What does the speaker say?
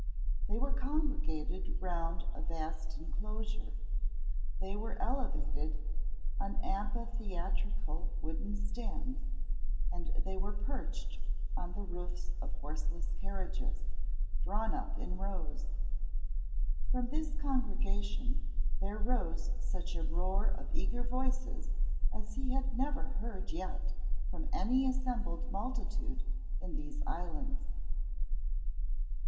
They were congregated round a vast inclosure; they were elevated on amphitheatrical wooden stands, and they were perched on the roofs of horseless carriages, drawn up in rows. From this congregation there rose such a roar of eager voices as he had never heard yet from any assembled multitude in these islands.